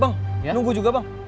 bang nunggu juga bang